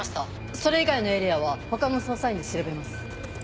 それ以外のエリアは他の捜査員で調べます。